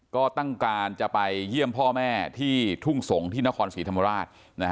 ก็ต้องการจะไปเยี่ยมพ่อแม่ที่ทุ่งสงศ์ที่นครศรีธรรมราช